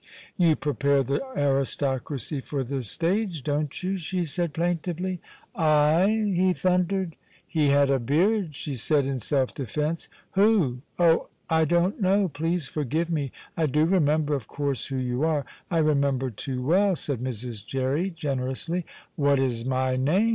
"You prepare the aristocracy for the stage, don't you?" she said plaintively. "I!" he thundered. "He had a beard," she said, in self defence. "Who?" "Oh, I don't know! Please forgive me! I do remember, of course, who you are I remember too well!" said Mrs. Jerry, generously. "What is my name?"